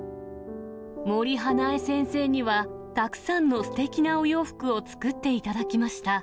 森英恵先生には、たくさんのすてきなお洋服を作っていただきました。